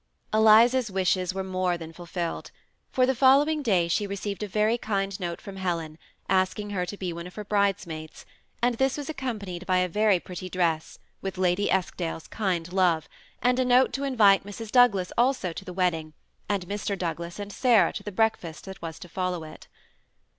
Eliza's wishes were more than fulfilled, for the fol lowing daj she received a very kind note from Helen, asking her to be one of her bridesmaids ; and this was accompanied by a very pretty dress, with Lady Esk dale's " kind love," and a note to invite Mrs. Douglas also to the wedding, and Mr. Douglas and Sarah to the breakfast that was to follow it.